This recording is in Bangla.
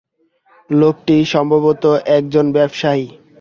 লোকটি সম্ভবত এক জন ব্যবসায়ী।